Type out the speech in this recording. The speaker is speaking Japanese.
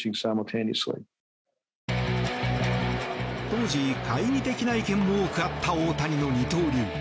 当時、懐疑的な意見も多くあった大谷の二刀流。